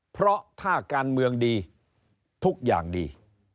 เพราะถ้าการเมืองดีทุกอย่างดี